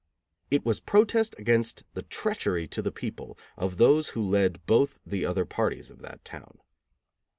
It was protest against the treachery to the people of those who led both the other parties of that town.